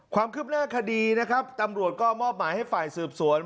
ความคืบหน้าคดีนะครับตำรวจก็มอบหมายให้ฝ่ายสืบสวน